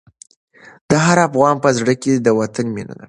د هر افغان په زړه کې د وطن مینه ده.